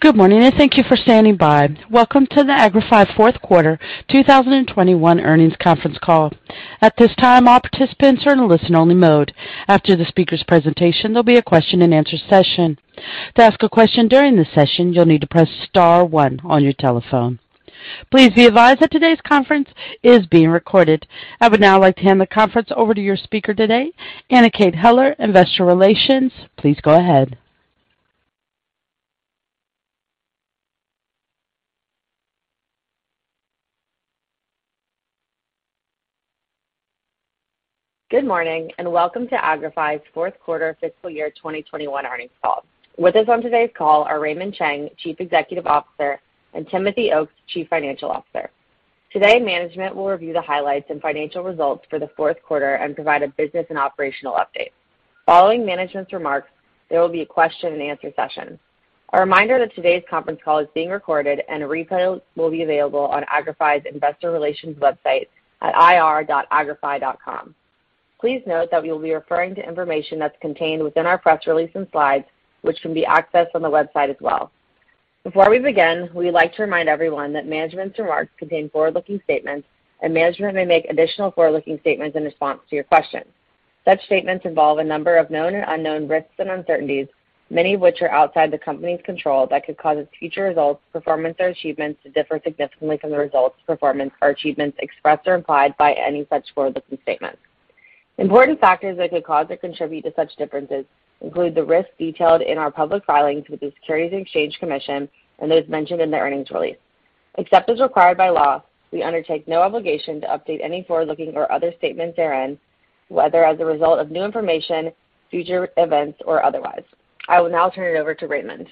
Good morning, and thank you for standing by. Welcome to the Agrify fourth quarter 2021 earnings conference call. At this time, all participants are in a listen-only mode. After the speaker's presentation, there'll be a question-and-answer session. To ask a question during the session, you'll need to press star one on your telephone. Please be advised that today's conference is being recorded. I would now like to hand the conference over to your speaker today, Anna Kate Heller, Investor Relations. Please go ahead. Good morning, and welcome to Agrify's fourth quarter fiscal year 2021 earnings call. With us on today's call are Raymond Chang, Chief Executive Officer, and Timothy Oakes, Chief Financial Officer. Today, management will review the highlights and financial results for the fourth quarter and provide a business and operational update. Following management's remarks, there will be a question-and-answer session. A reminder that today's conference call is being recorded and a replay will be available on Agrify's investor relations website at ir.agrify.com. Please note that we will be referring to information that's contained within our press release and slides, which can be accessed on the website as well. Before we begin, we like to remind everyone that management's remarks contain forward-looking statements, and management may make additional forward-looking statements in response to your questions. Such statements involve a number of known or unknown risks and uncertainties, many of which are outside the company's control that could cause its future results, performance, or achievements to differ significantly from the results, performance or achievements expressed or implied by any such forward-looking statements. Important factors that could cause or contribute to such differences include the risks detailed in our public filings with the Securities and Exchange Commission and that is mentioned in the earnings release. Except as required by law, we undertake no obligation to update any forward-looking or other statements therein, whether as a result of new information, future events, or otherwise. I will now turn it over to Raymond.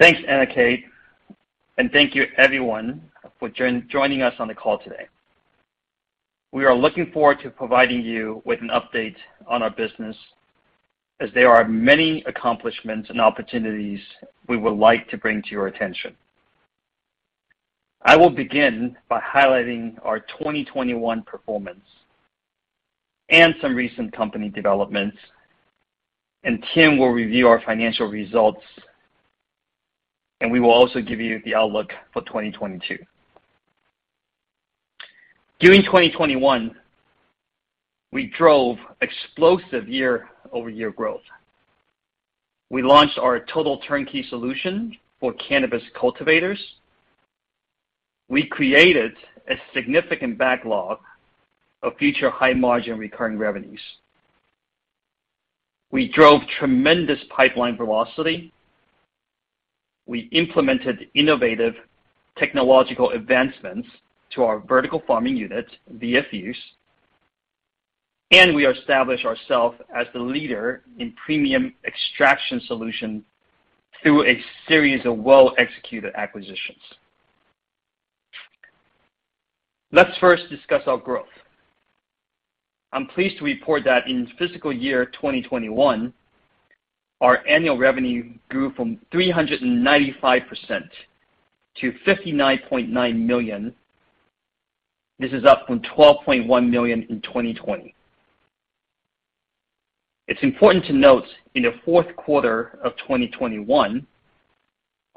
Thanks, Anna Kate, and thank you everyone for joining us on the call today. We are looking forward to providing you with an update on our business as there are many accomplishments and opportunities we would like to bring to your attention. I will begin by highlighting our 2021 performance and some recent company developments, and Tim will review our financial results, and we will also give you the outlook for 2022. During 2021, we drove explosive year-over-year growth. We launched our total turnkey solution for cannabis cultivators. We created a significant backlog of future high-margin recurring revenues. We drove tremendous pipeline velocity. We implemented innovative technological advancements to our vertical farming units, VFUs, and we established ourselves as the leader in premium extraction solution through a series of well-executed acquisitions. Let's first discuss our growth. I'm pleased to report that in fiscal year 2021, our annual revenue grew 395% to $59.9 million. This is up from $12.1 million in 2020. It's important to note in the fourth quarter of 2021,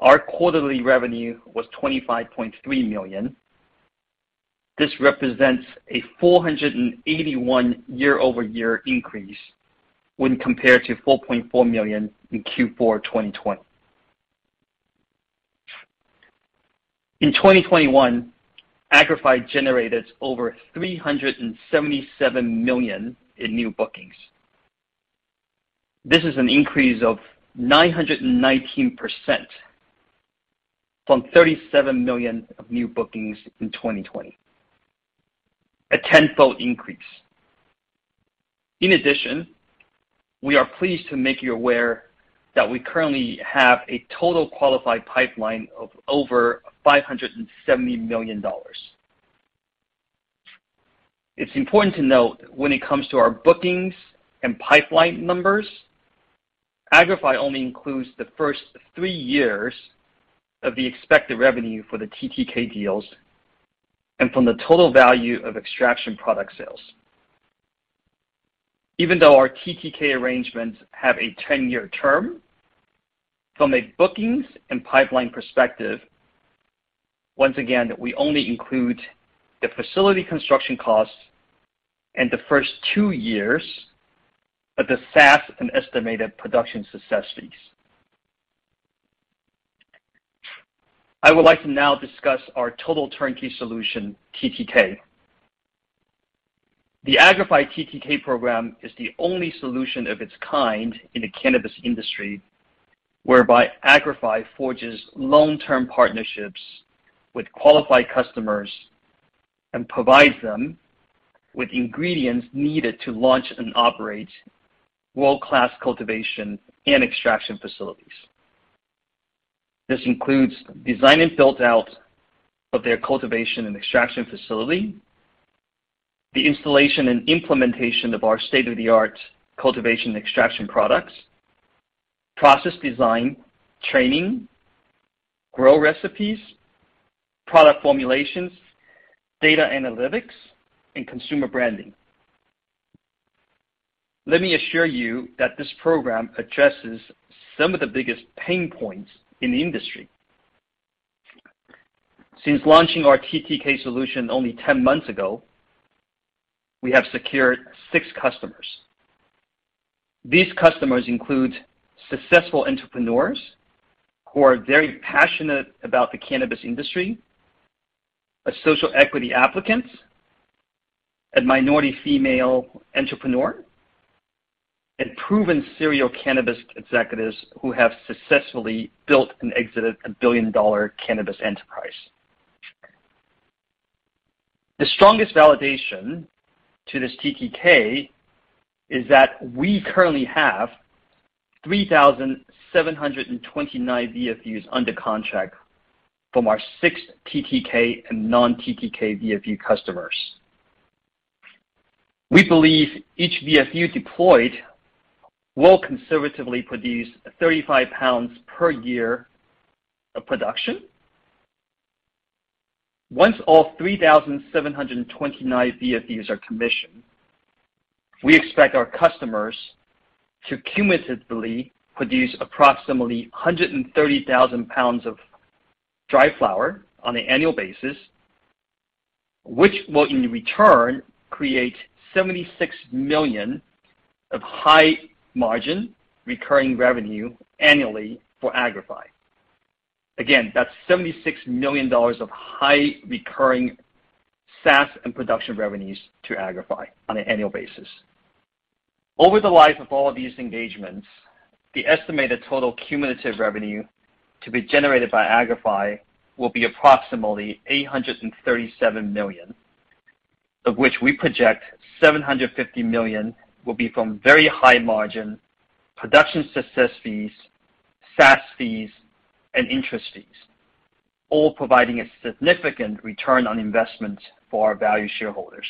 our quarterly revenue was $25.3 million. This represents a 481% year-over-year increase when compared to $4.4 million in Q4 2020. In 2021, Agrify generated over $377 million in new bookings. This is an increase of 919% from $37 million of new bookings in 2020. A tenfold increase. In addition, we are pleased to make you aware that we currently have a total qualified pipeline of over $570 million. It's important to note when it comes to our bookings and pipeline numbers, Agrify only includes the first 3 years of the expected revenue for the TTK deals and from the total value of extraction product sales. Even though our TTK arrangements have a 10-year term, from a bookings and pipeline perspective, once again, we only include the facility construction costs and the first two years of the SaaS and estimated production success fees. I would like to now discuss our total turnkey solution, TTK. The Agrify TTK program is the only solution of its kind in the cannabis industry, whereby Agrify forges long-term partnerships with qualified customers and provides them with ingredients needed to launch and operate world-class cultivation and extraction facilities. This includes design and build-out of their cultivation and extraction facility, the installation and implementation of our state-of-the-art cultivation extraction products, process design, training, grow recipes, product formulations, data analytics, and consumer branding. Let me assure you that this program addresses some of the biggest pain points in the industry. Since launching our TTK solution only 10 months ago, we have secured 6 customers. These customers include successful entrepreneurs who are very passionate about the cannabis industry, a social equity applicant, a minority female entrepreneur, and proven serial cannabis executives who have successfully built and exited a billion-dollar cannabis enterprise. The strongest validation to this TTK is that we currently have 3,729 VFUs under contract from our 6 TTK and non-TTK VFU customers. We believe each VFU deployed will conservatively produce 35 pounds per year of production. Once all 3,729 VFUs are commissioned, we expect our customers to cumulatively produce approximately 130,000 pounds of dry flower on an annual basis, which will, in return, create $76 million of high margin recurring revenue annually for Agrify. Again, that's $76 million of high recurring SaaS and production revenues to Agrify on an annual basis. Over the life of all these engagements, the estimated total cumulative revenue to be generated by Agrify will be approximately $837 million, of which we project $750 million will be from very high margin production success fees, SaaS fees, and interest fees, all providing a significant return on investment for our value shareholders.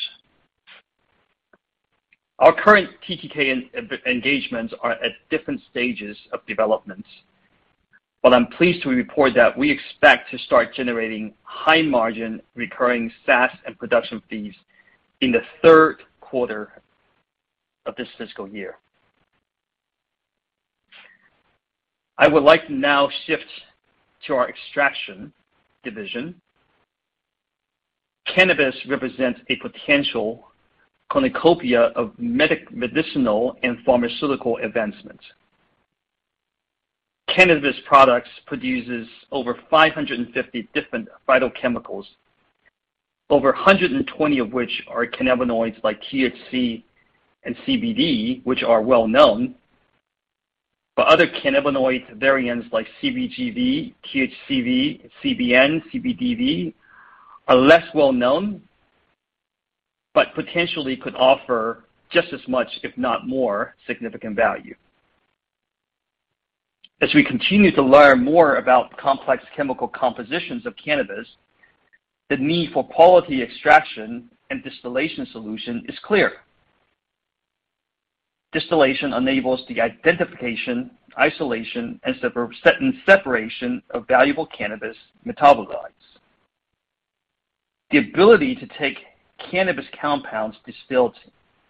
Our current TTK engagements are at different stages of developments. I'm pleased to report that we expect to start generating high margin recurring SaaS and production fees in the third quarter of this fiscal year. I would like to now shift to our extraction division. Cannabis represents a potential cornucopia of medicinal and pharmaceutical advancements. Cannabis products produces over 550 different phytochemicals, over 120 of which are cannabinoids like THC and CBD, which are well known. Other cannabinoid variants like CBGV, THCV, CBN, CBDV are less well known, but potentially could offer just as much, if not more, significant value. As we continue to learn more about complex chemical compositions of cannabis, the need for quality extraction and distillation solution is clear. Distillation enables the identification, isolation, and separation of valuable cannabis metabolites. The ability to take cannabis compounds distilled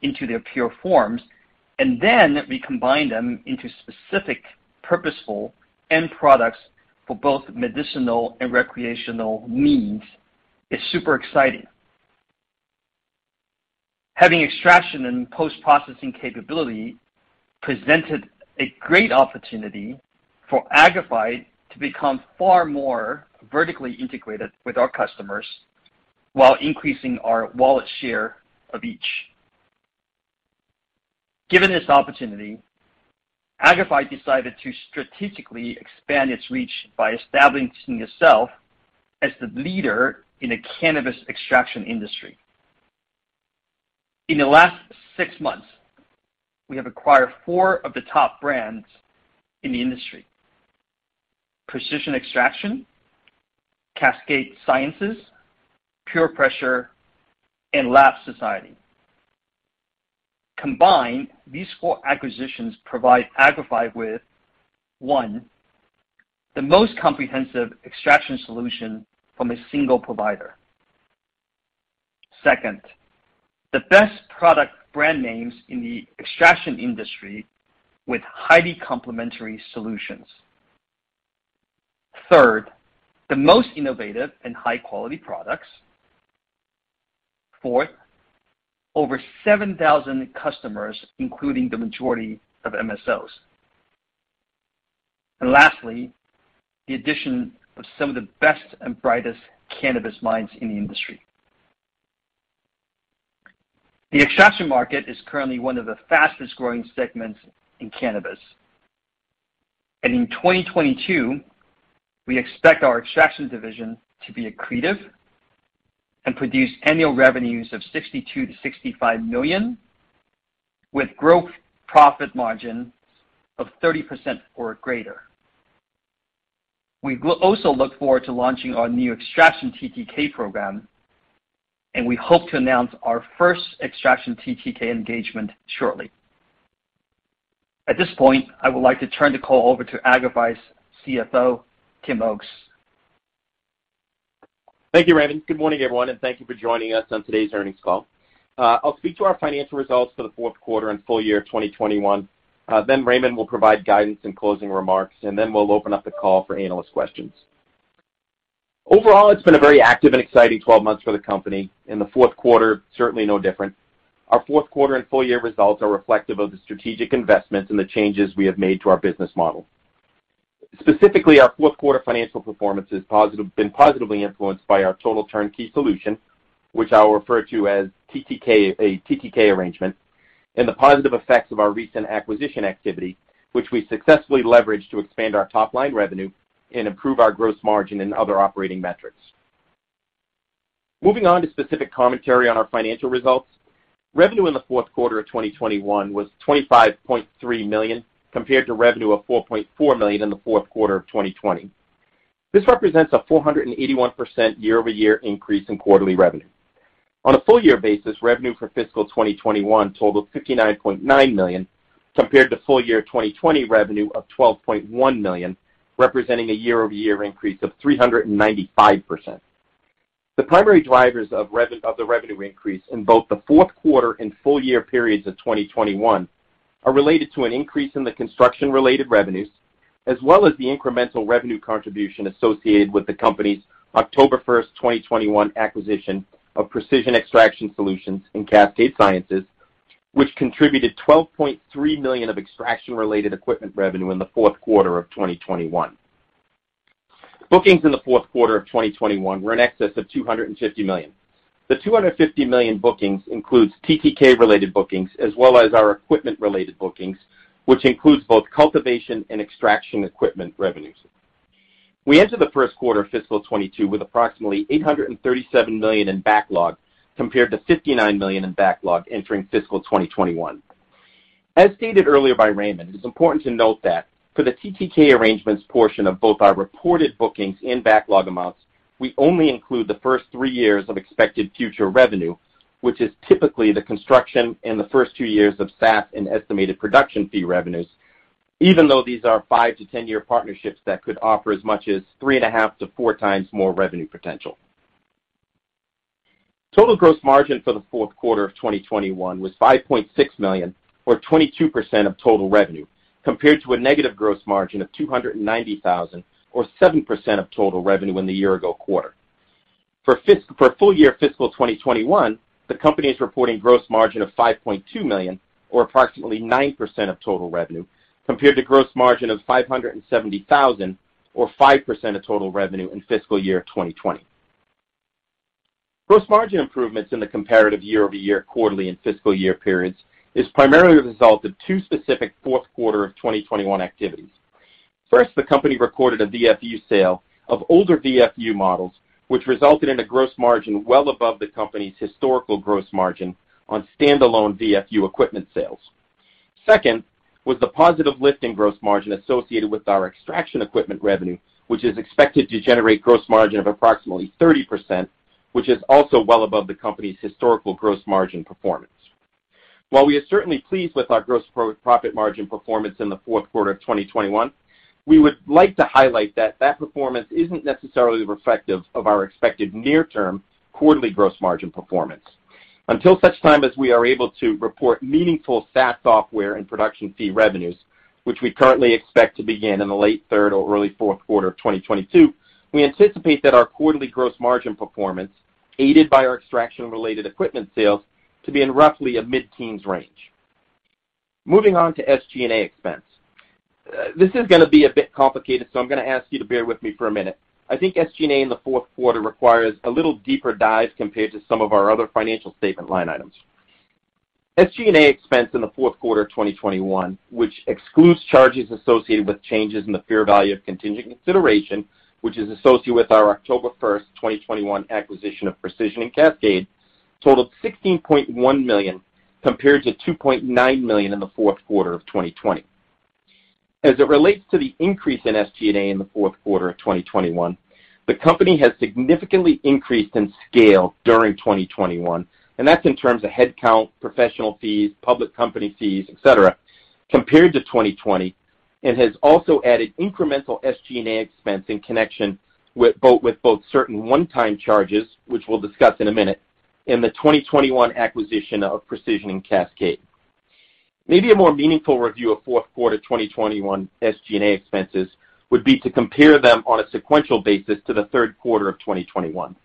into their pure forms, and then recombine them into specific, purposeful end products for both medicinal and recreational needs is super exciting. Having extraction and post-processing capability presented a great opportunity for Agrify to become far more vertically integrated with our customers while increasing our wallet share of each. Given this opportunity, Agrify decided to strategically expand its reach by establishing itself as the leader in the cannabis extraction industry. In the last six months, we have acquired four of the top brands in the industry. Precision Extraction Solutions, Cascade Sciences, PurePressure, and Lab Society. Combined, these four acquisitions provide Agrify with, one, the most comprehensive extraction solution from a single provider. Second, the best product brand names in the extraction industry with highly complementary solutions. Third, the most innovative and high-quality products. Fourth, over 7,000 customers, including the majority of MSOs. Lastly, the addition of some of the best and brightest cannabis minds in the industry. The extraction market is currently one of the fastest-growing segments in cannabis. In 2022, we expect our extraction division to be accretive and produce annual revenues of $62 million-$65 million, with gross profit margins of 30% or greater. We also look forward to launching our new extraction TTK program, and we hope to announce our first extraction TTK engagement shortly. At this point, I would like to turn the call over to Agrify's CFO, Timothy Oakes. Thank you, Raymond. Good morning, everyone, and thank you for joining us on today's earnings call. I'll speak to our financial results for the fourth quarter and full year of 2021. Then Raymond will provide guidance and closing remarks, and then we'll open up the call for analyst questions. Overall, it's been a very active and exciting twelve months for the company. In the fourth quarter, certainly no different. Our fourth quarter and full year results are reflective of the strategic investments and the changes we have made to our business model. Specifically, our fourth quarter financial performance has been positively influenced by our total turnkey solution, which I will refer to as TTK, a TTK arrangement, and the positive effects of our recent acquisition activity, which we successfully leveraged to expand our top-line revenue and improve our gross margin and other operating metrics. Moving on to specific commentary on our financial results. Revenue in the fourth quarter of 2021 was $25.3 million, compared to revenue of $4.4 million in the fourth quarter of 2020. This represents a 481% year-over-year increase in quarterly revenue. On a full year basis, revenue for fiscal 2021 totaled $59.9 million, compared to full year 2020 revenue of $12.1 million, representing a year-over-year increase of 395%. The primary drivers of the revenue increase in both the fourth quarter and full-year periods of 2021 are related to an increase in the construction-related revenues, as well as the incremental revenue contribution associated with the company's October 1, 2021 acquisition of Precision Extraction Solutions and Cascade Sciences, which contributed $12.3 million of extraction-related equipment revenue in the fourth quarter of 2021. Bookings in the fourth quarter of 2021 were in excess of $250 million. The $250 million bookings includes TTK-related bookings as well as our equipment-related bookings, which includes both cultivation and extraction equipment revenues. We enter the first quarter of fiscal 2022 with approximately $837 million in backlog, compared to $59 million in backlog entering fiscal 2021. As stated earlier by Raymond, it is important to note that for the TTK arrangements portion of both our reported bookings and backlog amounts, we only include the first three years of expected future revenue, which is typically the construction in the first two years of SaaS and estimated production fee revenues, even though these are five to 10-year partnerships that could offer as much as 3.5x-4x more revenue potential. Total gross margin for the fourth quarter of 2021 was $5.6 million, or 22% of total revenue, compared to a negative gross margin of $290,000, or 7% of total revenue in the year ago quarter. For full year fiscal 2021, the company is reporting gross margin of $5.2 million or approximately 9% of total revenue, compared to gross margin of $570,000 or 5% of total revenue in fiscal year 2020. Gross margin improvements in the comparative year-over-year, quarterly and fiscal year periods is primarily the result of two specific fourth quarter of 2021 activities. First, the company recorded a VFU sale of older VFU models, which resulted in a gross margin well above the company's historical gross margin on standalone VFU equipment sales. Second was the positive lift in gross margin associated with our extraction equipment revenue, which is expected to generate gross margin of approximately 30%, which is also well above the company's historical gross margin performance. While we are certainly pleased with our gross profit margin performance in the fourth quarter of 2021, we would like to highlight that that performance isn't necessarily reflective of our expected near-term quarterly gross margin performance. Until such time as we are able to report meaningful SaaS software and production fee revenues, which we currently expect to begin in the late third or early fourth quarter of 2022, we anticipate that our quarterly gross margin performance, aided by our extraction-related equipment sales, to be in roughly a mid-teens range. Moving on to SG&A expense. This is gonna be a bit complicated, so I'm gonna ask you to bear with me for a minute. I think SG&A in the fourth quarter requires a little deeper dive compared to some of our other financial statement line items. SG&A expense in the fourth quarter of 2021, which excludes charges associated with changes in the fair value of contingent consideration, which is associated with our October 1, 2021 acquisition of Precision and Cascade, totaled $16.1 million, compared to $2.9 million in the fourth quarter of 2020. As it relates to the increase in SG&A in the fourth quarter of 2021, the company has significantly increased in scale during 2021, and that's in terms of headcount, professional fees, public company fees, et cetera, compared to 2020, and has also added incremental SG&A expense in connection with both certain one-time charges, which we'll discuss in a minute, in the 2021 acquisition of Precision and Cascade. Maybe a more meaningful review of fourth quarter 2021 SG&A expenses would be to compare them on a sequential basis to the third quarter of 2021.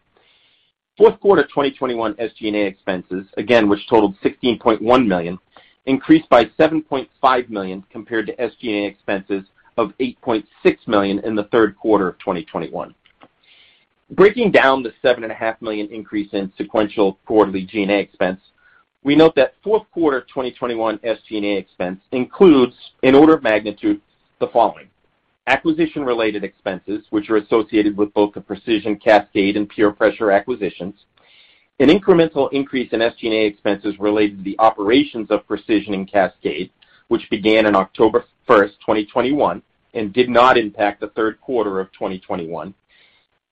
Fourth quarter 2021 SG&A expenses, again which totaled $16.1 million, increased by $7.5 million compared to SG&A expenses of $8.6 million in the third quarter of 2021. Breaking down the $7.5 million increase in sequential quarterly SG&A expense, we note that fourth quarter of 2021 SG&A expense includes, an order of magnitude, the following. Acquisition-related expenses, which are associated with both the Precision, Cascade and PurePressure acquisitions. An incremental increase in SG&A expenses related to the operations of Precision and Cascade, which began in October 1, 2021 and did not impact the third quarter of 2021.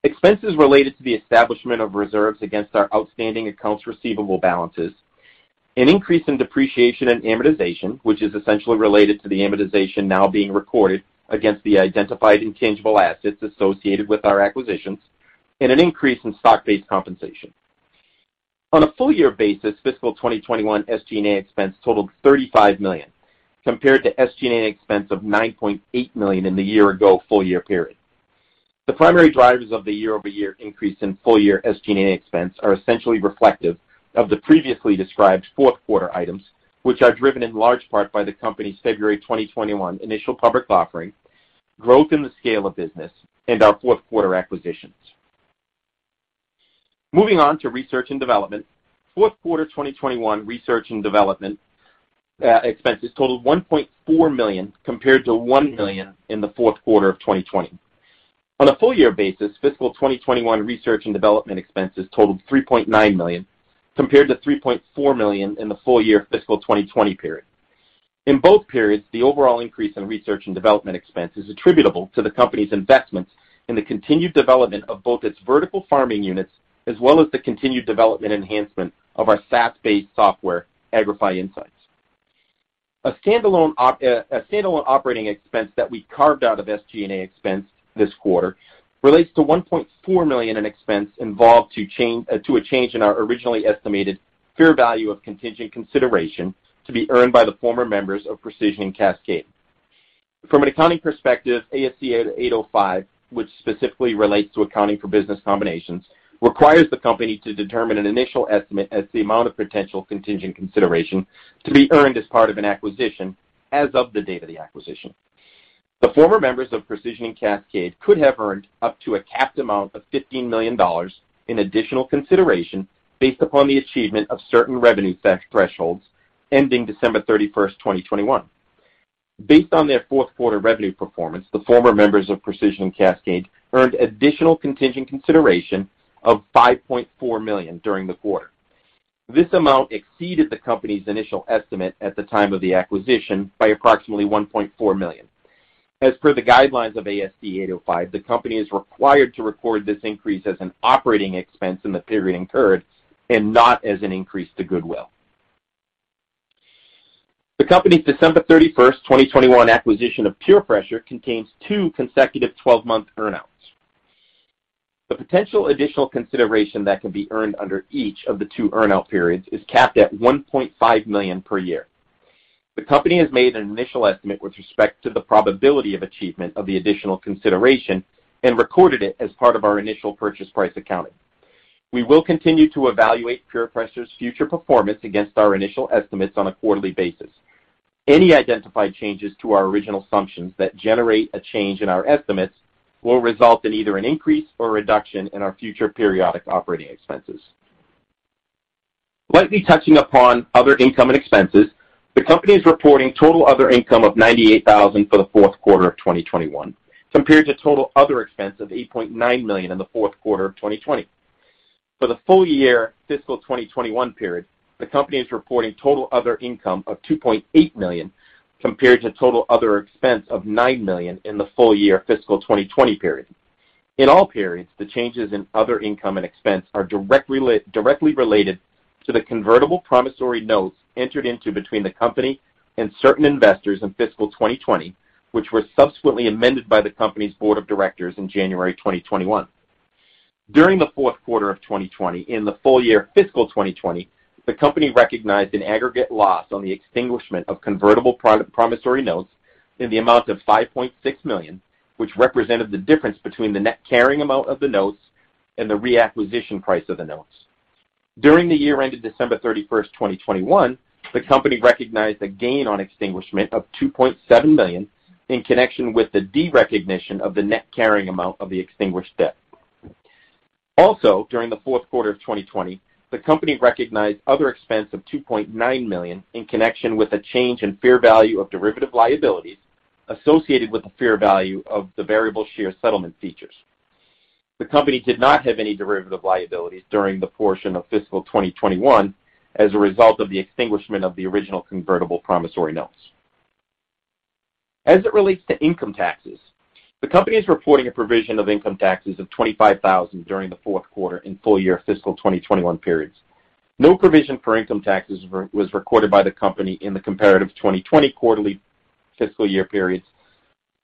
Expenses related to the establishment of reserves against our outstanding accounts receivable balances, an increase in depreciation and amortization, which is essentially related to the amortization now being recorded against the identified intangible assets associated with our acquisitions, and an increase in stock-based compensation. On a full-year basis, fiscal 2021 SG&A expense totaled $35 million, compared to SG&A expense of $9.8 million in the year-ago full-year period. The primary drivers of the year-over-year increase in full-year SG&A expense are essentially reflective of the previously described fourth quarter items, which are driven in large part by the company's February 2021 initial public offering, growth in the scale of business, and our fourth quarter acquisitions. Moving on to research and development. Fourth quarter 2021 research and development expenses totaled $1.4 million, compared to $1 million in the fourth quarter of 2020. On a full-year basis, fiscal 2021 research and development expenses totaled $3.9 million, compared to $3.4 million in the full-year fiscal 2020 period. In both periods, the overall increase in research and development expense is attributable to the company's investments in the continued development of both its vertical farming units as well as the continued development enhancement of our SaaS-based software, Agrify Insights. A standalone operating expense that we carved out of SG&A expense this quarter relates to $1.4 million in expense involved to a change in our originally estimated fair value of contingent consideration to be earned by the former members of Precision and Cascade. From an accounting perspective, ASC 805, which specifically relates to accounting for business combinations, requires the company to determine an initial estimate as the amount of potential contingent consideration to be earned as part of an acquisition as of the date of the acquisition. The former members of Precision and Cascade could have earned up to a capped amount of $15 million in additional consideration based upon the achievement of certain revenue thresholds ending December 31st, 2021. Based on their fourth quarter revenue performance, the former members of Precision and Cascade earned additional contingent consideration of $5.4 million during the quarter. This amount exceeded the company's initial estimate at the time of the acquisition by approximately $1.4 million. As per the guidelines of ASC 805, the company is required to record this increase as an operating expense in the period incurred and not as an increase to goodwill. The company's December 31st, 2021, acquisition of PurePressure contains two consecutive 12-month earnouts. The potential additional consideration that can be earned under each of the two earnout periods is capped at $1.5 million per year. The company has made an initial estimate with respect to the probability of achievement of the additional consideration and recorded it as part of our initial purchase price accounting. We will continue to evaluate PurePressure's future performance against our initial estimates on a quarterly basis. Any identified changes to our original assumptions that generate a change in our estimates will result in either an increase or reduction in our future periodic operating expenses. Lightly touching upon other income and expenses, the company is reporting total other income of $98,000 for the fourth quarter of 2021, compared to total other expense of $8.9 million in the fourth quarter of 2020. For the full-year fiscal 2021 period, the company is reporting total other income of $2.8 million, compared to total other expense of $9 million in the full-year fiscal 2020 period. In all periods, the changes in other income and expense are directly related to the convertible promissory notes entered into between the company and certain investors in fiscal 2020, which were subsequently amended by the company's board of directors in January 2021. During the fourth quarter of 2020 and the full-year fiscal 2020, the company recognized an aggregate loss on the extinguishment of convertible promissory notes in the amount of $5.6 million, which represented the difference between the net carrying amount of the notes and the reacquisition price of the notes. During the year ended December 31st, 2021, the company recognized a gain on extinguishment of $2.7 million in connection with the derecognition of the net carrying amount of the extinguished debt. During the fourth quarter of 2020, the company recognized other expense of $2.9 million in connection with a change in fair value of derivative liabilities associated with the fair value of the variable share settlement features. The company did not have any derivative liabilities during the portion of fiscal 2021 as a result of the extinguishment of the original convertible promissory notes. As it relates to income taxes, the company is reporting a provision of income taxes of $25,000 during the fourth quarter and full-year fiscal 2021 periods. No provision for income taxes was recorded by the company in the comparative 2020 quarterly fiscal year periods.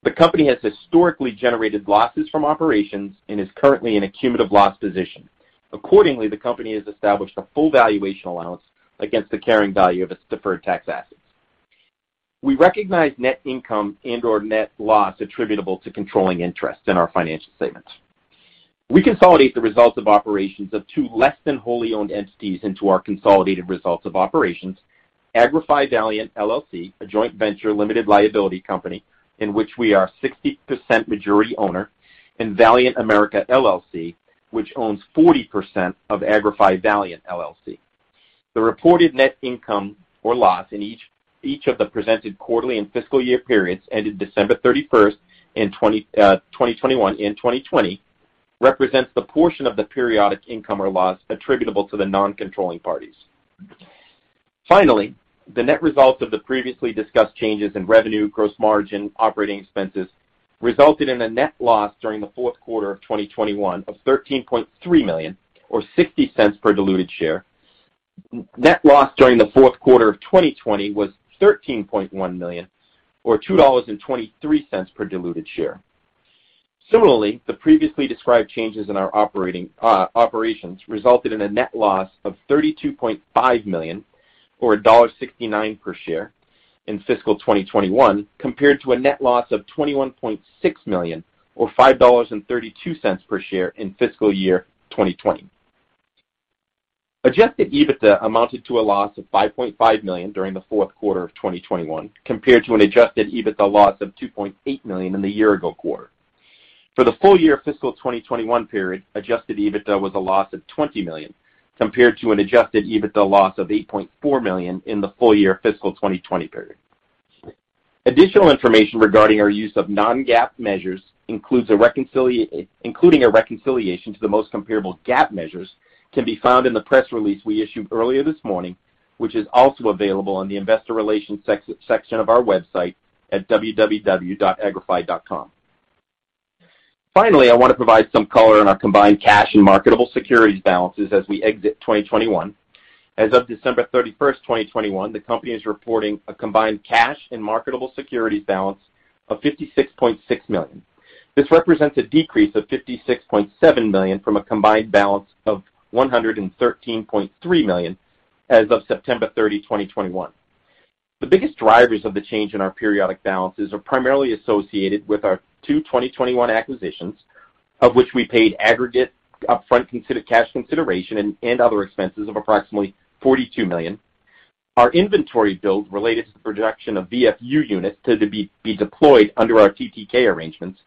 The company has historically generated losses from operations and is currently in a cumulative loss position. Accordingly, the company has established a full valuation allowance against the carrying value of its deferred tax assets. We recognize net income and/or net loss attributable to controlling interests in our financial statements. We consolidate the results of operations of two less than wholly owned entities into our consolidated results of operations, Agrify Valiant LLC, a joint venture limited liability company in which we are 60% majority owner, and Valiant-America LLC, which owns 40% of Agrify Valiant LLC. The reported net income or loss in each of the presented quarterly and fiscal year periods ended December 31st, 2021 and 2020 represents the portion of the periodic income or loss attributable to the non-controlling parties. Finally, the net results of the previously discussed changes in revenue, gross margin, operating expenses resulted in a net loss during the fourth quarter of 2021 of $13.3 million or $0.60 per diluted share. Net loss during the fourth quarter of 2020 was $13.1 million or $2.23 per diluted share. Similarly, the previously described changes in our operations resulted in a net loss of $32.5 million or $1.69 per share in fiscal 2021, compared to a net loss of $21.6 million or $5.32 per share in fiscal year 2020. Adjusted EBITDA amounted to a loss of $5.5 million during the fourth quarter of 2021, compared to an adjusted EBITDA loss of $2.8 million in the year-ago quarter. For the full year fiscal 2021 period, adjusted EBITDA was a loss of $20 million, compared to an adjusted EBITDA loss of $8.4 million in the full year fiscal 2020 period. Additional information regarding our use of non-GAAP measures includes including a reconciliation to the most comparable GAAP measures can be found in the press release we issued earlier this morning, which is also available on the investor relations section of our website at www.agrify.com. Finally, I wanna provide some color on our combined cash and marketable securities balances as we exit 2021. As of December 31, 2021, the company is reporting a combined cash and marketable securities balance of $56.6 million. This represents a decrease of $56.7 million from a combined balance of $113.3 million as of September 30, 2021. The biggest drivers of the change in our periodic balances are primarily associated with our two 2021 acquisitions, of which we paid aggregate upfront cash consideration and other expenses of approximately $42 million. Our inventory build related to the production of VFU units to be deployed under our TTK arrangements,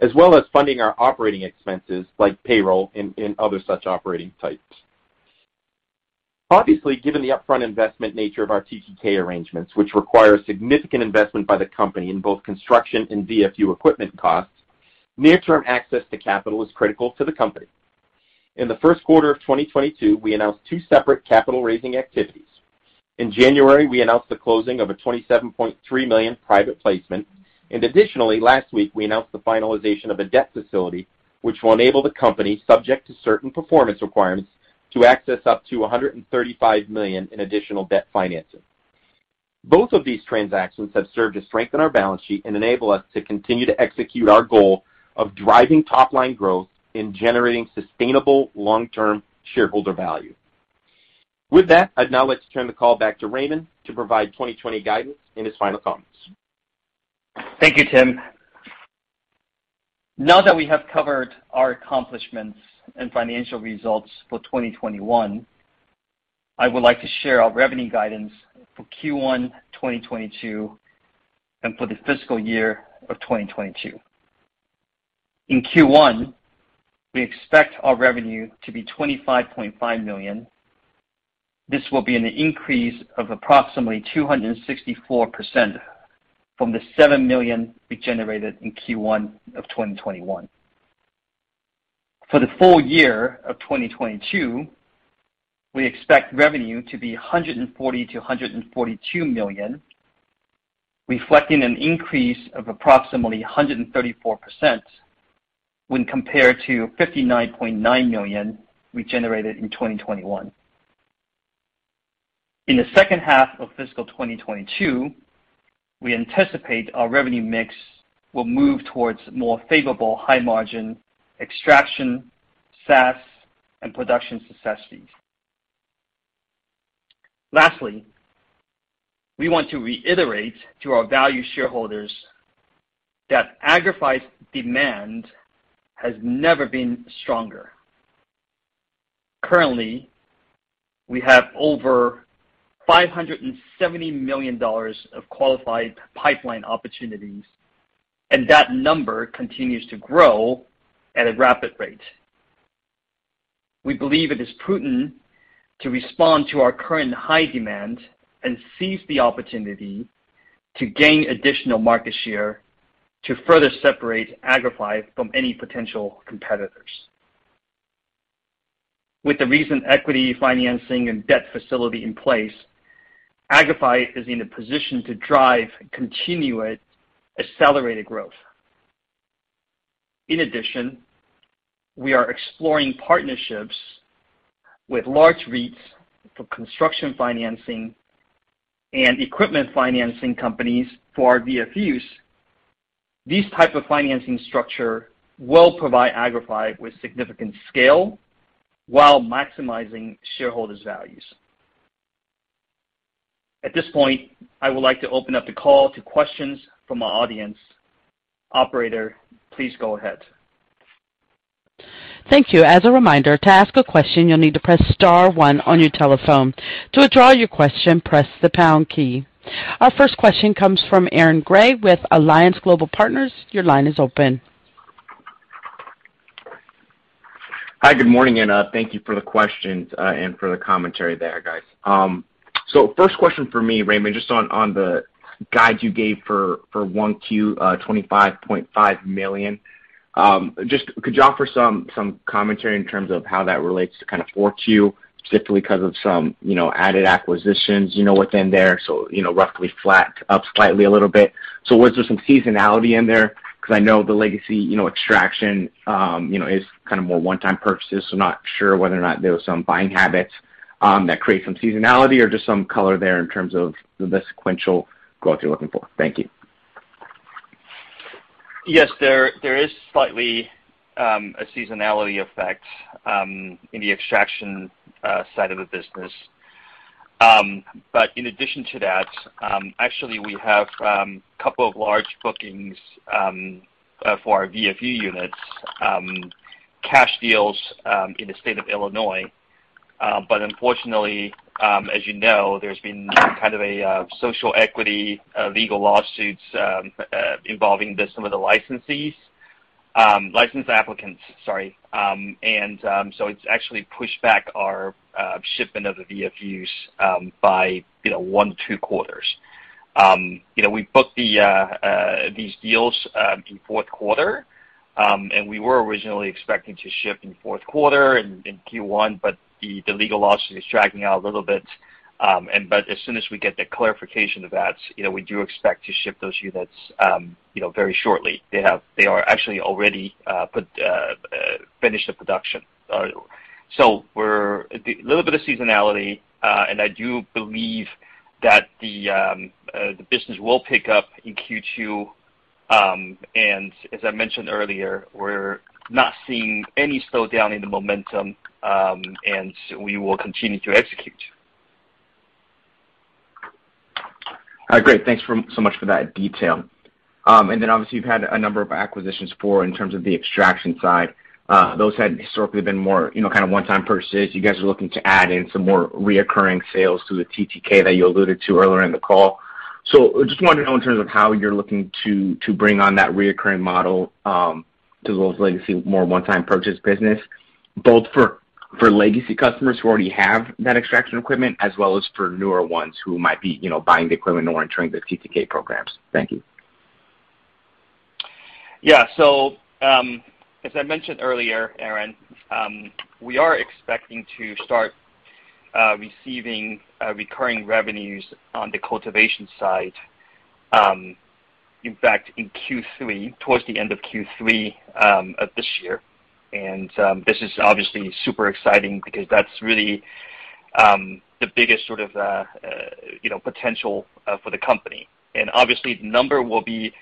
as well as funding our operating expenses like payroll and other such operating types. Obviously, given the upfront investment nature of our TTK arrangements, which require significant investment by the company in both construction and VFU equipment costs, near-term access to capital is critical to the company. In the first quarter of 2022, we announced two separate capital raising activities. In January, we announced the closing of a $27.3 million private placement. Additionally, last week, we announced the finalization of a debt facility, which will enable the company, subject to certain performance requirements, to access up to $135 million in additional debt financing. Both of these transactions have served to strengthen our balance sheet and enable us to continue to execute our goal of driving top-line growth in generating sustainable long-term shareholder value. With that, I'd now like to turn the call back to Raymond to provide 2020 guidance in his final comments. Thank you, Tim. Now that we have covered our accomplishments and financial results for 2021, I would like to share our revenue guidance for Q1 2022 and for the fiscal year of 2022. In Q1, we expect our revenue to be $25.5 million. This will be an increase of approximately 264% from the $7 million we generated in Q1 of 2021. For the full year of 2022, we expect revenue to be $140 million-$142 million, reflecting an increase of approximately 134% when compared to $59.9 million we generated in 2021. In the second half of fiscal 2022, we anticipate our revenue mix will move towards more favorable high margin extraction, SaaS, and production success fees. Lastly, we want to reiterate to our value shareholders that Agrify's demand has never been stronger. Currently, we have over $570 million of qualified pipeline opportunities, and that number continues to grow at a rapid rate. We believe it is prudent to respond to our current high demand and seize the opportunity to gain additional market share to further separate Agrify from any potential competitors. With the recent equity financing and debt facility in place, Agrify is in a position to drive continued accelerated growth. In addition, we are exploring partnerships with large REITs for construction financing and equipment financing companies for our VFUs. These type of financing structure will provide Agrify with significant scale while maximizing shareholders' values. At this point, I would like to open up the call to questions from our audience. Operator, please go ahead. Thank you. As a reminder, to ask a question, you'll need to press star one on your telephone. To withdraw your question, press the pound key. Our first question comes from Aaron Grey with Alliance Global Partners. Your line is open. Hi, good morning, and thank you for the questions and for the commentary there, guys. First question for me, Raymond, just on the guide you gave for Q1 $25.5 million. Just could you offer some commentary in terms of how that relates to kind of Q4, specifically because of some, you know, added acquisitions, you know, within there, you know, roughly flat up slightly a little bit. Was there some seasonality in there? Because I know the legacy, you know, extraction, you know, is kind of more one-time purchases, so not sure whether or not there was some buying habits that create some seasonality or just some color there in terms of the sequential growth you're looking for. Thank you. Yes, there is a slight seasonality effect in the extraction side of the business. In addition to that, actually we have a couple of large bookings for our VFU units, cash deals, in the state of Illinois. Unfortunately, as you know, there's been kind of a social equity legal lawsuits involving some of the licensees, license applicants, sorry. So it's actually pushed back our shipment of the VFUs by, you know, one to two quarters. You know, we booked these deals in fourth quarter. We were originally expecting to ship in fourth quarter and in Q1, but the legal lawsuit is dragging out a little bit. As soon as we get the clarification of that, you know, we do expect to ship those units, you know, very shortly. They have actually already finished the production. A little bit of seasonality, and I do believe that the business will pick up in Q2. As I mentioned earlier, we're not seeing any slowdown in the momentum, and we will continue to execute. All right, great. Thanks so much for that detail. Then obviously you've had a number of acquisitions, in terms of the extraction side. Those had historically been more, you know, kind of one-time purchases. You guys are looking to add in some more recurring sales through the TTK that you alluded to earlier in the call. Just wondering in terms of how you're looking to bring on that recurring model to those legacy, more one-time purchase businesses, both for legacy customers who already have that extraction equipment, as well as for newer ones who might be, you know, buying the equipment or entering the TTK programs. Thank you. Yeah. As I mentioned earlier, Aaron, we are expecting to start receiving recurring revenues on the cultivation side, in fact, in Q3, towards the end of Q3, of this year. This is obviously super exciting because that's really the biggest sort of you know potential for the company. Obviously the number will be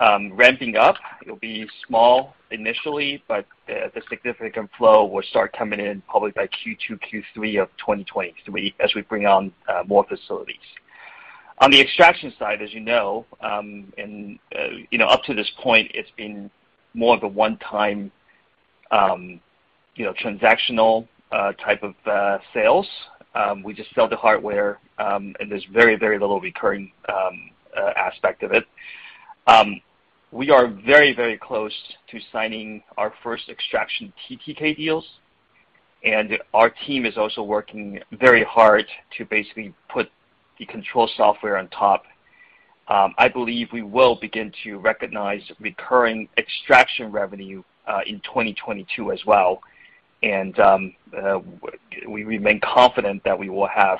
ramping up. It'll be small initially, but the significant flow will start coming in probably by Q2, Q3 of 2023 as we bring on more facilities. On the extraction side, as you know, and you know, up to this point, it's been more of a one time you know transactional type of sales. We just sell the hardware, and there's very, very little recurring aspect of it. We are very, very close to signing our first extraction TTK deals, and our team is also working very hard to basically put the control software on top. I believe we will begin to recognize recurring extraction revenue in 2022 as well. We remain confident that we will have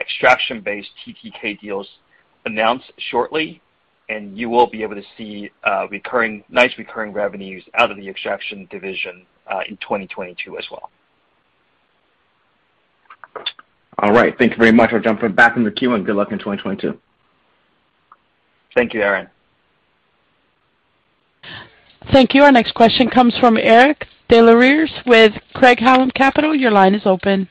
extraction-based TTK deals announced shortly, and you will be able to see nice recurring revenues out of the extraction division in 2022 as well. All right. Thank you very much. I'll jump back in the queue and good luck in 2022. Thank you, Aaron. Thank you. Our next question comes from Eric Des Lauriers with Craig-Hallum Capital. Your line is open.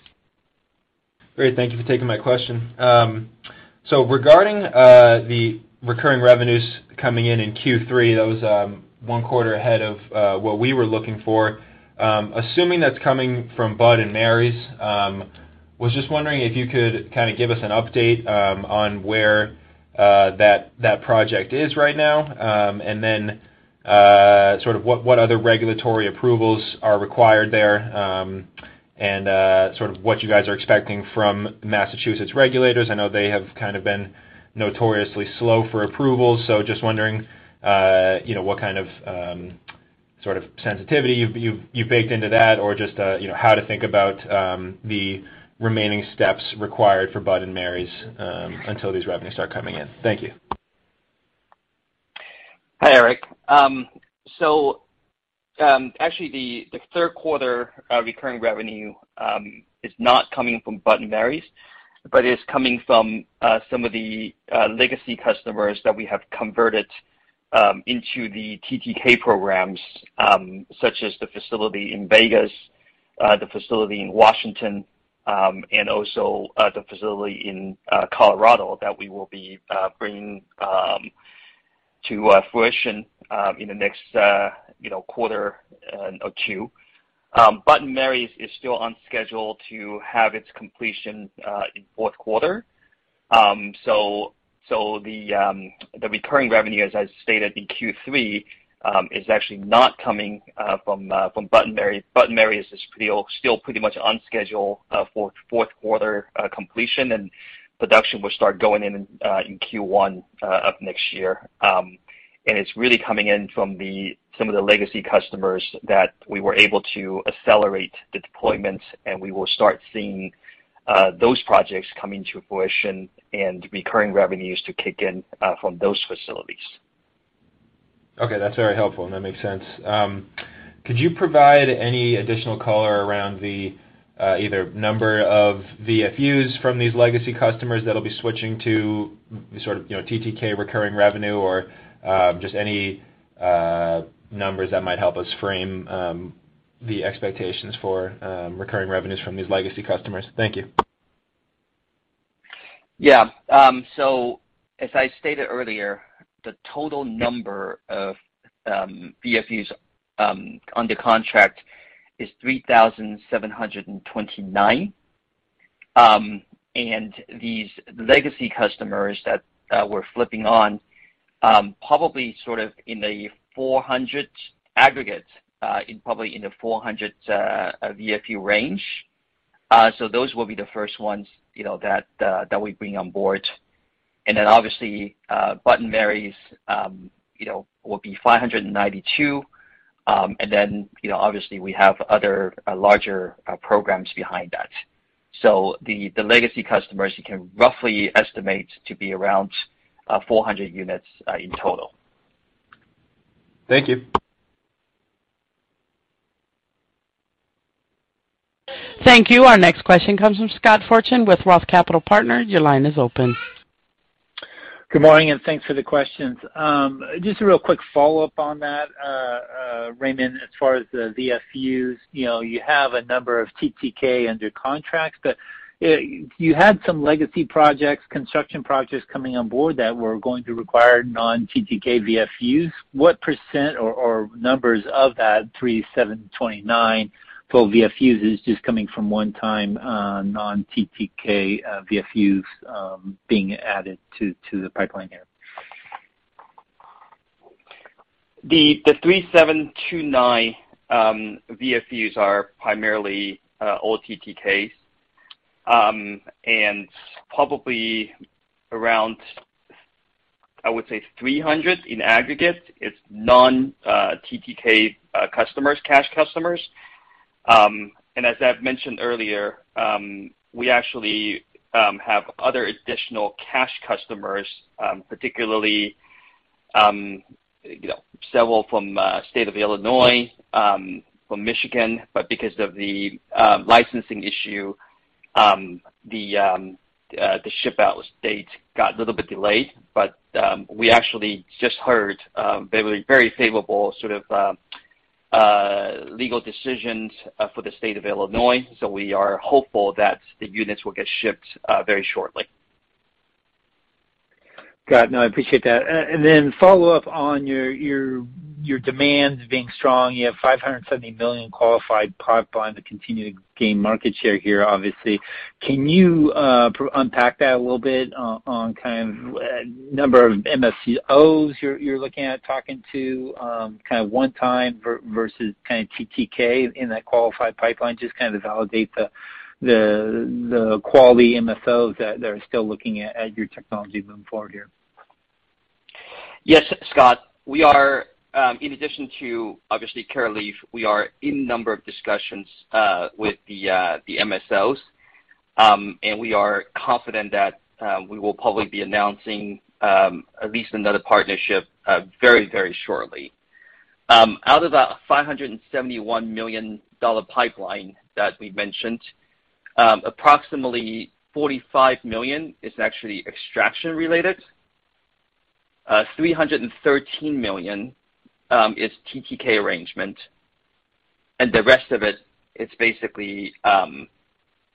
Great. Thank you for taking my question. Regarding the recurring revenues coming in in Q3, that was one quarter ahead of what we were looking for. Assuming that's coming from Bud & Mary's, I was just wondering if you could kind of give us an update on where that project is right now, and then sort of what other regulatory approvals are required there, and sort of what you guys are expecting from Massachusetts regulators. I know they have kind of been notoriously slow for approvals, so just wondering, you know, what kind of sort of sensitivity you've baked into that or just, you know, how to think about the remaining steps required for Bud & Mary's until these revenues start coming in. Thank you. Hi, Eric. Actually the third quarter recurring revenue is not coming from Bud & Mary's, but is coming from some of the legacy customers that we have converted into the TTK programs, such as the facility in Vegas, the facility in Washington, and also the facility in Colorado that we will be bringing to fruition in the next you know quarter or two. Bud & Mary's is still on schedule to have its completion in fourth quarter. The recurring revenue, as I stated in Q3, is actually not coming from Bud & Mary's. Bud & Mary's is still pretty much on schedule for fourth quarter completion, and production will start going in in Q1 of next year. It's really coming in from some of the legacy customers that we were able to accelerate the deployments, and we will start seeing those projects coming to fruition and recurring revenues to kick in from those facilities. Okay, that's very helpful, and that makes sense. Could you provide any additional color around the either number of VFUs from these legacy customers that'll be switching to the sort of, you know, TTK recurring revenue or just any numbers that might help us frame the expectations for recurring revenues from these legacy customers? Thank you. Yeah. As I stated earlier, the total number of VFUs under contract is 3,729. These legacy customers that we're flipping on probably sort of in the 400 aggregate, in probably the 400 VFU range. Those will be the first ones, you know, that we bring on board. Obviously, Bud & Mary's, you know, will be 592. You know, obviously we have other larger programs behind that. The legacy customers you can roughly estimate to be around 400 units in total. Thank you. Thank you. Our next question comes from Scott Fortune with Roth Capital Partners. Your line is open. Good morning, and thanks for the questions. Just a real quick follow-up on that, Raymond, as far as the VFUs. You know, you have a number of TTK under contract, but you had some legacy projects, construction projects coming on board that were going to require non-TTK VFUs. What % or numbers of that 3,729 total VFUs is just coming from one time, non-TTK VFUs being added to the pipeline here? The 3,729 VFUs are primarily all TTKs and probably around, I would say, 300 in aggregate. It's non-TTK customers, cash customers. And as I've mentioned earlier, we actually have other additional cash customers, particularly you know several from state of Illinois, from Michigan. But because of the licensing issue, the ship-out date got a little bit delayed. But we actually just heard very very favorable sort of legal decisions for the state of Illinois, so we are hopeful that the units will get shipped very shortly. Got it. No, I appreciate that. Follow up on your demands being strong. You have $570 million qualified pipeline to continue to gain market share here, obviously. Can you unpack that a little bit on kind of number of MSOs you're looking at talking to, kind of one-time versus kind of TTK in that qualified pipeline? Just kind of validate the quality MSOs that they're still looking at your technology moving forward here. Yes, Scott. We are, in addition to obviously Curaleaf, we are in a number of discussions with the MSOs. We are confident that we will probably be announcing at least another partnership very, very shortly. Out of that $571 million pipeline that we mentioned, approximately $45 million is actually extraction related, $313 million is TTK arrangement, and the rest of it is basically,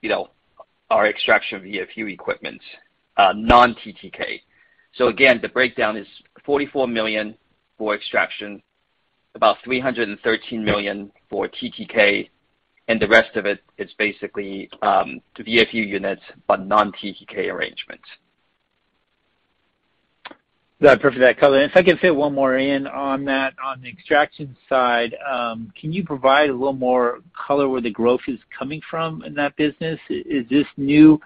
you know, our extraction VFU equipment, non-TTK. So again, the breakdown is $44 million for extraction, about $313 million for TTK, and the rest of it is basically the VFU units, but non-TTK arrangements. That perfect, that color. If I can fit one more in on that, on the extraction side, can you provide a little more color where the growth is coming from in that business? Is this new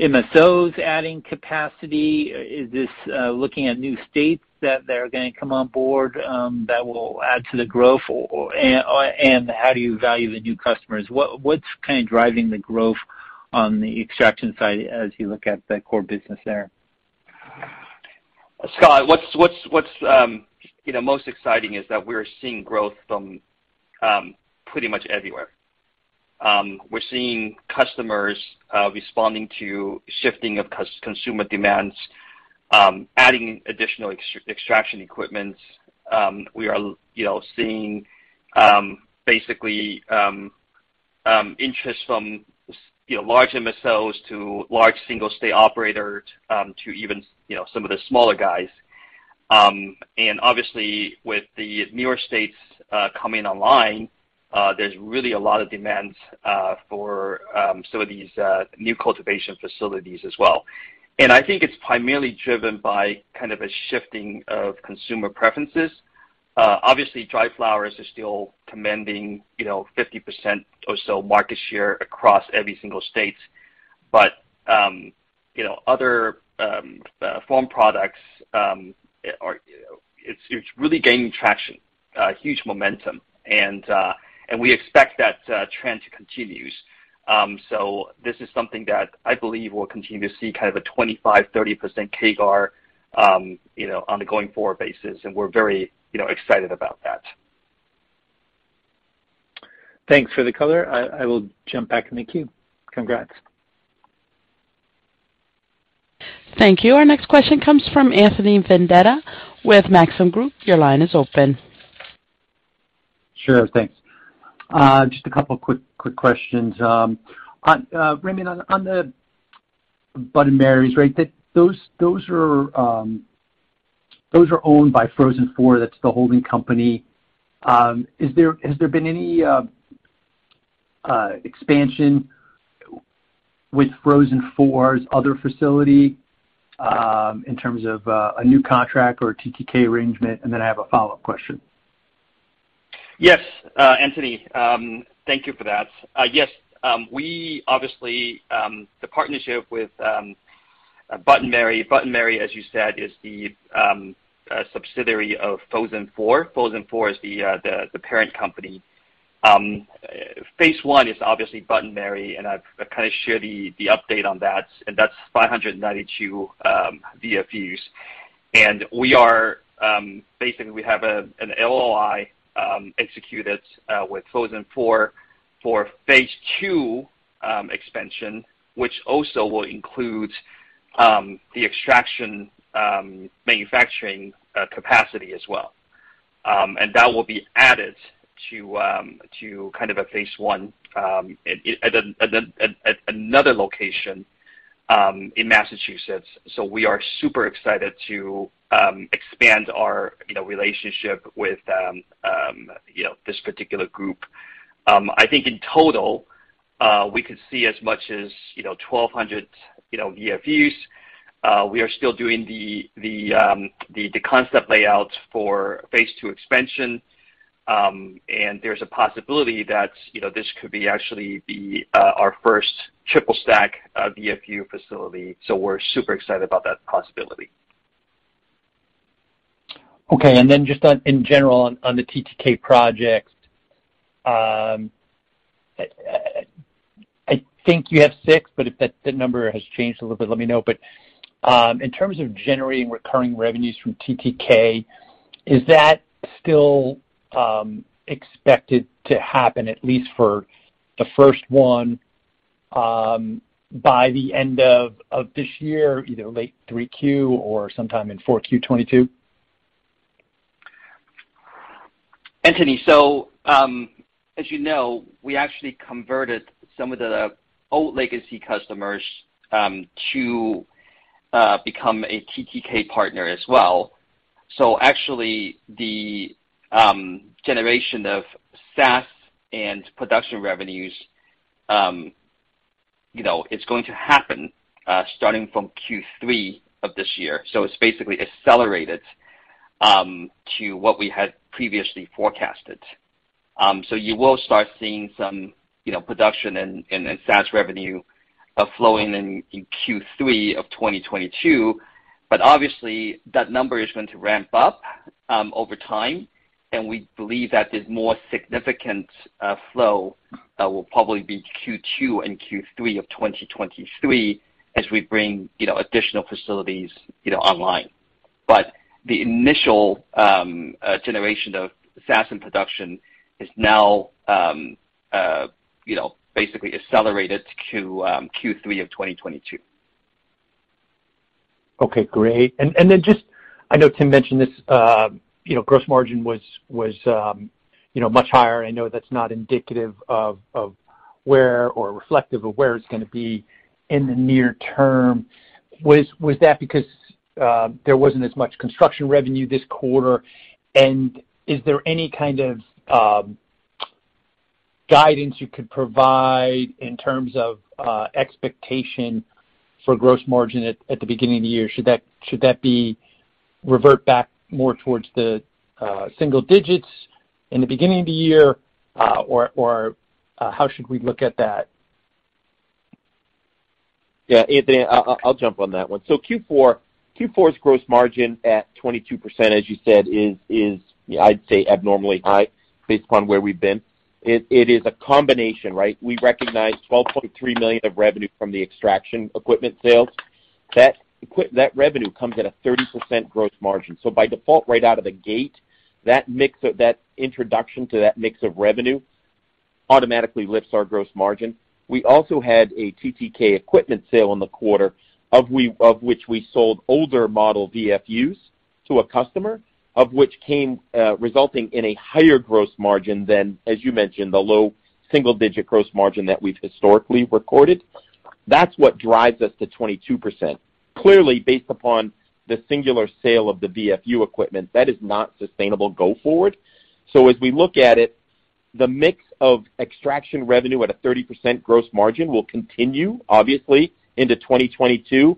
MSOs adding capacity? Is this looking at new states that they're gonna come on board that will add to the growth? Or how do you value the new customers? What's kind of driving the growth on the extraction side as you look at the core business there? Scott, what's most exciting is that we're seeing growth from pretty much everywhere. We're seeing customers responding to shifting of consumer demands, adding additional extraction equipments. We are, you know, seeing basically interest from, you know, large MSOs to large single state operators, to even, you know, some of the smaller guys. Obviously, with the newer states coming online, there's really a lot of demands for some of these new cultivation facilities as well. I think it's primarily driven by kind of a shifting of consumer preferences. Obviously dry flowers are still commanding, you know, 50% or so market share across every single state. You know, other farm products are really gaining traction, huge momentum, and we expect that trend to continue. This is something that I believe we'll continue to see kind of a 25%-30% CAGR, you know, on a going forward basis, and we're very, you know, excited about that. Thanks for the color. I will jump back in the queue. Congrats. Thank you. Our next question comes from Anthony Vendetti with Maxim Group. Your line is open. Sure. Thanks. Just a couple quick questions. On Raymond, on the Bud & Mary's, right, those are owned by Frozen Four, that's the holding company. Has there been any expansion with Frozen Four's other facility in terms of a new contract or TTK arrangement? Then I have a follow-up question. Yes, Anthony, thank you for that. Yes, we obviously have the partnership with Bud & Mary's. Bud & Mary's, as you said, is the subsidiary of Frozen Four. Frozen Four is the parent company. Phase one is obviously Bud & Mary's, and I've kinda shared the update on that, and that's 592 VFUs. We basically have an LOI executed with Frozen Four for phase two expansion, which also will include the extraction manufacturing capacity as well. That will be added to kind of a phase one at another location in Massachusetts. We are super excited to expand our relationship with this particular group. I think in total, we could see as much as, you know, 1,200, you know, VFUs. We are still doing the concept layouts for phase two expansion. There's a possibility that, you know, this could actually be our first triple stack VFU facility, so we're super excited about that possibility. Okay. Just on, in general, on the TTK projects, I think you have six, but if that number has changed a little bit, let me know. In terms of generating recurring revenues from TTK, is that still expected to happen, at least for the first one, by the end of this year, either late 3Q or sometime in 4Q 2022? Anthony, as you know, we actually converted some of the old legacy customers to become a TTK partner as well. Actually the generation of SaaS and production revenues, you know, it's going to happen starting from Q3 of this year. It's basically accelerated to what we had previously forecasted. You will start seeing some, you know, production and SaaS revenue flowing in in Q3 of 2022. Obviously that number is going to ramp up over time. We believe that there's more significant flow will probably be Q2 and Q3 of 2023 as we bring, you know, additional facilities, you know, online. The initial generation of SaaS and production is now basically accelerated to Q3 of 2022. Okay, great. Just, I know Tim mentioned this, you know, gross margin was, you know, much higher. I know that's not indicative of where or reflective of where it's gonna be in the near term. Was that because there wasn't as much construction revenue this quarter? Is there any kind of guidance you could provide in terms of expectation for gross margin at the beginning of the year? Should that revert back more towards the single digits in the beginning of the year or how should we look at that? Yeah, Anthony, I'll jump on that one. Q4's gross margin at 22%, as you said, is abnormally high based upon where we've been. It is a combination, right? We recognize $12.3 million of revenue from the extraction equipment sales. That revenue comes at a 30% gross margin. By default, right out of the gate, that introduction to that mix of revenue automatically lifts our gross margin. We also had a TTK equipment sale in the quarter of which we sold older model VFUs to a customer, of which came resulting in a higher gross margin than, as you mentioned, the low single digit gross margin that we've historically recorded. That's what drives us to 22%. Clearly, based upon the singular sale of the VFU equipment, that is not sustainable go forward. As we look at it, the mix of extraction revenue at a 30% gross margin will continue obviously into 2022.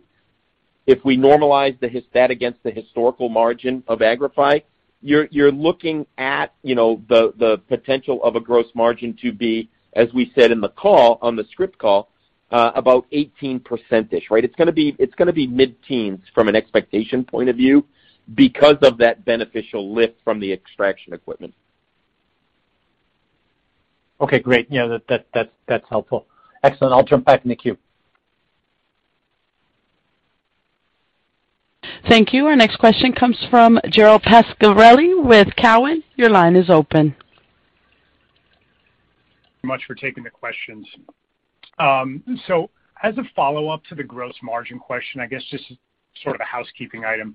If we normalize that against the historical margin of Agrify, you're looking at, you know, the potential of a gross margin to be, as we said in the call, on the script call, about 18%-ish, right? It's gonna be mid-teens from an expectation point of view because of that beneficial lift from the extraction equipment. Okay, great. Yeah, that's helpful. Excellent. I'll jump back in the queue. Thank you. Our next question comes from Gerald Pascarelli with Cowen. Your line is open. Thanks for taking the questions. As a follow-up to the gross margin question, I guess just sort of a housekeeping item,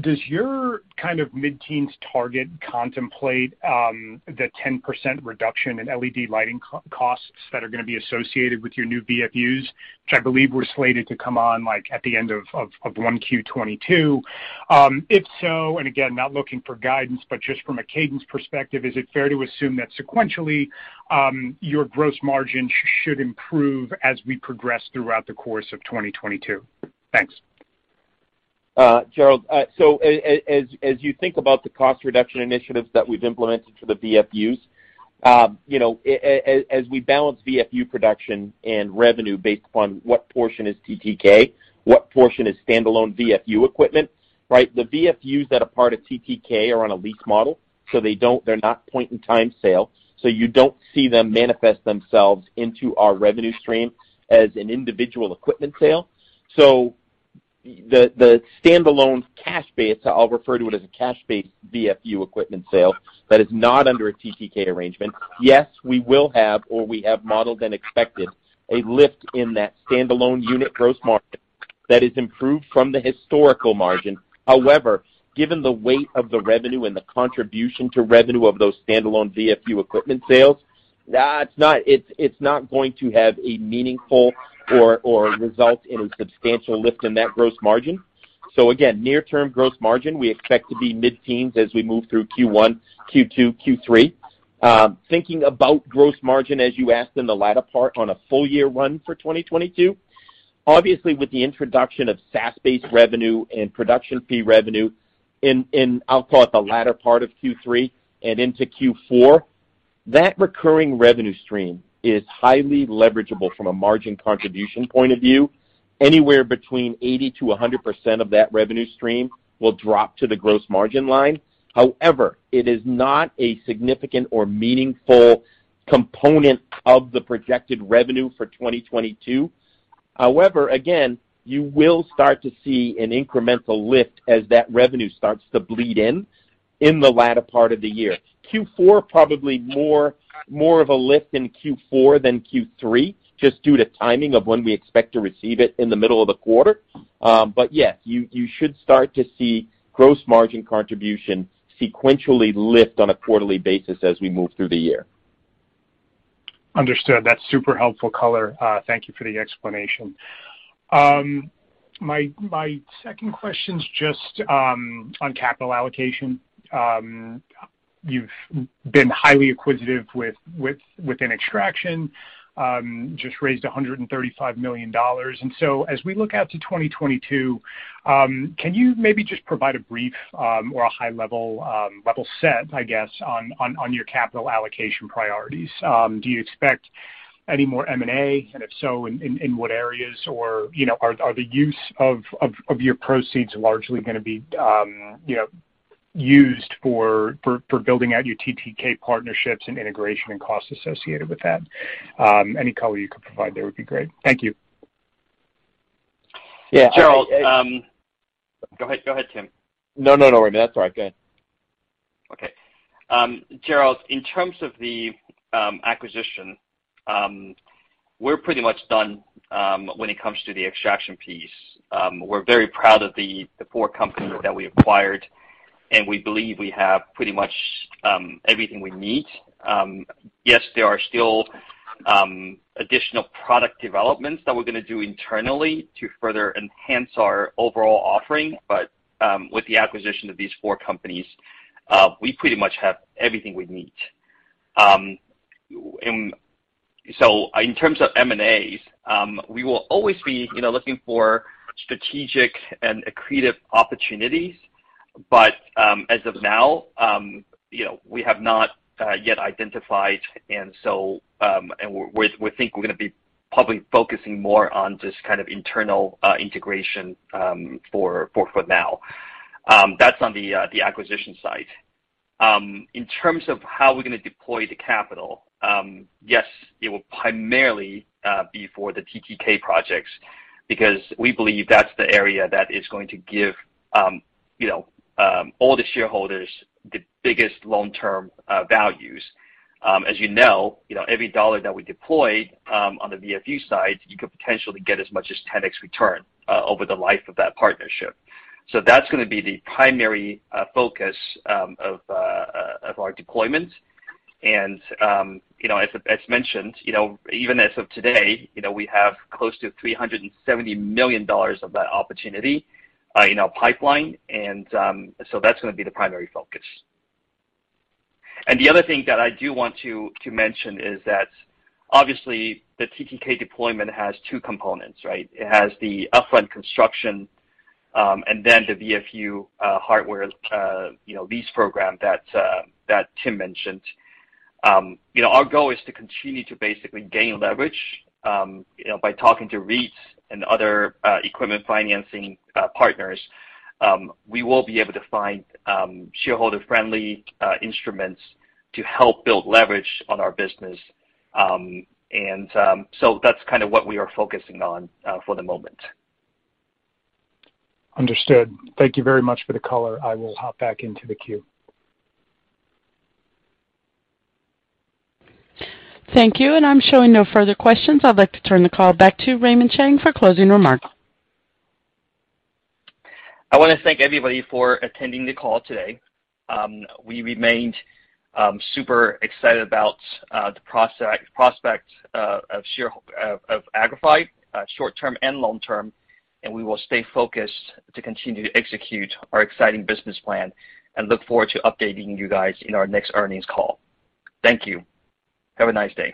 does your kind of mid-teens target contemplate the 10% reduction in LED lighting costs that are gonna be associated with your new VFUs, which I believe were slated to come on, like, at the end of Q1 2022? If so, and again, not looking for guidance, but just from a cadence perspective, is it fair to assume that sequentially your gross margin should improve as we progress throughout the course of 2022? Thanks. Gerald, as you think about the cost reduction initiatives that we've implemented for the VFUs, you know, as we balance VFU production and revenue based upon what portion is TTK, what portion is standalone VFU equipment, right? The VFUs that are part of TTK are on a lease model, so they are not point in time sale, so you don't see them manifest themselves into our revenue stream as an individual equipment sale. The standalone cash-based, I'll refer to it as a cash-based VFU equipment sale that is not under a TTK arrangement. Yes, we will have or we have modeled and expected a lift in that standalone unit gross margin that is improved from the historical margin. However, given the weight of the revenue and the contribution to revenue of those standalone VFU equipment sales, it's not going to have a meaningful or result in a substantial lift in that gross margin. Again, near term gross margin, we expect to be mid-teens as we move through Q1, Q2, Q3. Thinking about gross margin as you asked in the latter part on a full year one for 2022. Obviously, with the introduction of SaaS-based revenue and production fee revenue in, I'll call it the latter part of Q3 and into Q4, that recurring revenue stream is highly leverageable from a margin contribution point of view. Anywhere between 80%-100% of that revenue stream will drop to the gross margin line. However, it is not a significant or meaningful component of the projected revenue for 2022. However, again, you will start to see an incremental lift as that revenue starts to bleed in in the latter part of the year. Q4, probably more of a lift in Q4 than Q3, just due to timing of when we expect to receive it in the middle of the quarter. Yes, you should start to see gross margin contribution sequentially lift on a quarterly basis as we move through the year. Understood. That's super helpful color. Thank you for the explanation. My second question is just on capital allocation. You've been highly acquisitive with within extraction, just raised $135 million. As we look out to 2022, can you maybe just provide a brief or a high level level set, I guess, on your capital allocation priorities? Do you expect any more M&A? And if so, in what areas? Or, you know, are the use of your proceeds largely gonna be, you know, used for building out your TTK partnerships and integration and cost associated with that? Any color you could provide there would be great. Thank you. Yeah. Gerald, go ahead, Tim. No, no, Raymond. That's all right. Go ahead. Okay. Gerald, in terms of the acquisition, we're pretty much done when it comes to the extraction piece. We're very proud of the four companies that we acquired, and we believe we have pretty much everything we need. Yes, there are still additional product developments that we're gonna do internally to further enhance our overall offering. With the acquisition of these four companies, we pretty much have everything we need. In terms of M&As, we will always be, you know, looking for strategic and accretive opportunities. As of now, you know, we have not yet identified, and so we think we're gonna be probably focusing more on just kind of internal integration for now. That's on the acquisition side. In terms of how we're gonna deploy the capital, yes, it will primarily be for the TTK projects, because we believe that's the area that is going to give you know all the shareholders the biggest long-term values. As you know, every dollar that we deploy on the VFU side, you could potentially get as much as 10x return over the life of that partnership. That's gonna be the primary focus of our deployment. You know, as mentioned, you know, even as of today, you know, we have close to $370 million of that opportunity in our pipeline. That's gonna be the primary focus. The other thing that I do want to mention is that obviously the TTK deployment has two components, right? It has the upfront construction, and then the VFU hardware, you know, lease program that Tim mentioned. You know, our goal is to continue to basically gain leverage, you know, by talking to REITs and other equipment financing partners. We will be able to find shareholder-friendly instruments to help build leverage on our business. That's kinda what we are focusing on for the moment. Understood. Thank you very much for the color. I will hop back into the queue. Thank you. I'm showing no further questions. I'd like to turn the call back to Raymond Chang for closing remarks. I wanna thank everybody for attending the call today. We remain super excited about the prospect of shares of Agrify short-term and long-term, and we will stay focused to continue to execute our exciting business plan and look forward to updating you guys in our next earnings call. Thank you. Have a nice day.